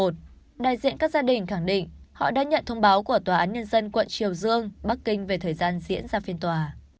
đại diện các gia đình khẳng định họ đã nhận thông báo của tòa án nhân dân quận triều dương bắc kinh về thời gian diễn ra phiên tòa